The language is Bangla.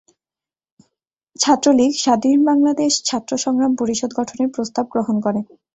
ছাত্রলীগ ‘স্বাধীন বাংলাদেশ ছাত্র সংগ্রাম পরিষদ’ গঠনের প্রস্তাব গ্রহণ করে।